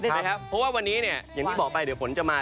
เพราะว่าวันนี้อย่างที่บอกไปจะมีฝนมา